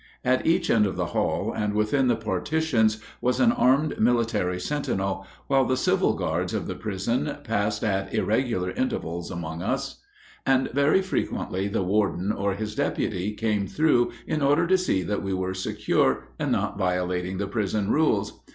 At each end of the hall, and within the partitions, was an armed military sentinel, while the civil guards of the prison passed at irregular intervals among us, and very frequently the warden or his deputy came through in order to see that we were secure and not violating the prison rules.